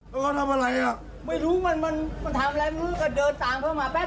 ต้อง